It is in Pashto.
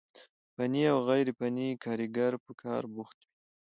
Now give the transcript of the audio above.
فني او غير فني کاريګر په کار بوخت وي،